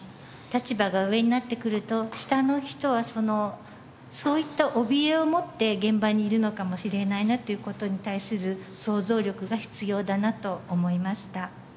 立場が上になってくると下の人はそういったおびえを持って現場にいるのかもしれないなという事に対する想像力が必要だなと思いました。